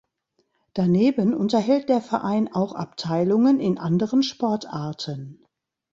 Daneben unterhält der Verein auch Abteilungen in anderen Sportarten.